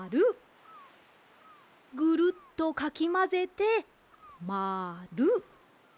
ぐるっとかきまぜてまる。